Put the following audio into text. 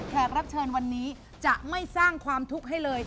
รับเชิญวันนี้จะไม่สร้างความทุกข์ให้เลย